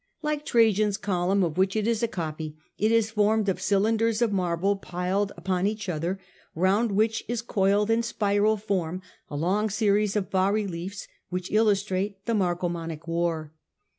Like Trajan's column, of which it is a copy, it is formed of cylinders of marble piled upon each other, round which is coiled in spiral form a long series of bas reliefs which illustrate the Marcomannic war.